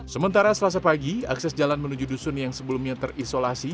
sementara selasa pagi akses jalan menuju dusun yang sebelumnya terisolasi